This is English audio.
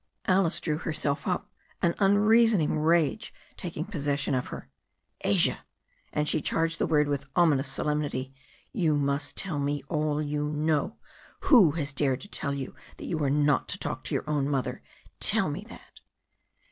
Alice drew herself up, an unreasoning rage taking posses sion of her. "Asia," and she charged the word with ominous solem nity, "you must tell me all you know. Who has dared to tell you that you were not to talk to your own mother? Tell me that."